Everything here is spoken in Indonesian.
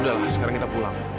udah lah sekarang kita pulang